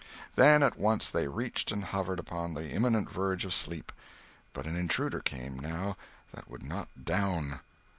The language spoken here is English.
Then at once they reached and hovered upon the imminent verge of sleep—but an intruder came, now, that would not "down."